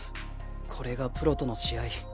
これがプロとの試合。